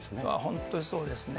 本当にそうですね。